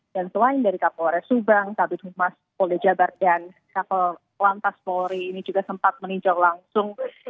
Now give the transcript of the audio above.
dan selain dari kapolres subang kabupaten humas polde jabar dan kapol lantas polri ini juga sempat meninjau langsung